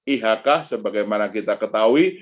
ihk sebagaimana kita ketahui